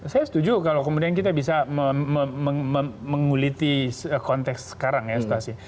saya setuju kalau kemudian kita bisa menguliti konteks sekarang ya stasi